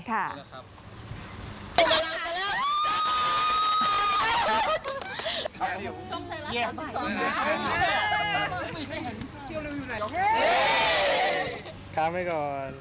ครับให้ก่อน